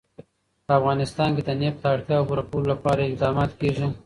په افغانستان کې د نفت د اړتیاوو پوره کولو لپاره اقدامات کېږي.